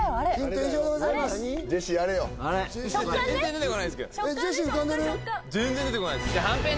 全然出てこないですはんぺん！